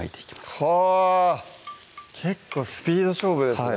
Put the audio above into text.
はぁ結構スピード勝負ですね